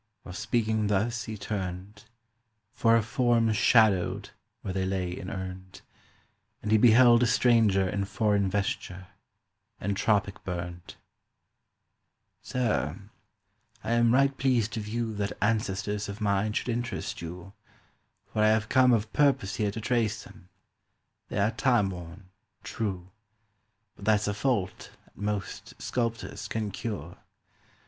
'" While speaking thus he turned, For a form shadowed where they lay inurned, And he beheld a stranger in foreign vesture, And tropic burned. "Sir, I am right pleased to view That ancestors of mine should interest you, For I have come of purpose here to trace them ... They are time worn, true, "But that's a fault, at most, Sculptors can cure.